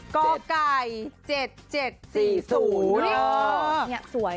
ก็ไก่๗๗๔๐เนี่ย